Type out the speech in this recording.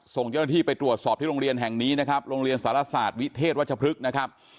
ส่งเจ้าหน้าที่ไปตรวจสอบที่โรงเรียนแห่งนี้นะครับโรงเรียนสารศาสตร์วิเทศวัชพฤกษ์นะครับ